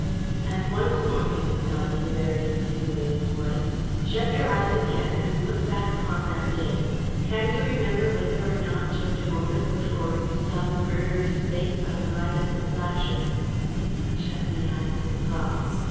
"And once more," he went on, in a very insinuating voice. "Shut your eyes again, and look back upon that day. Can't you remember whether or not, just a moment before, you saw the murderer's face by the light of the flashes?" I shut my eyes and thought.